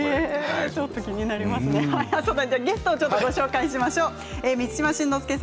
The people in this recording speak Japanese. ゲストをご紹介しましょう。